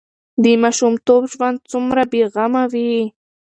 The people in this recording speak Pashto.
د ماشومتوب ژوند څومره بې غمه وي.